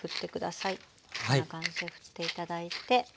こんな感じでふって頂いて。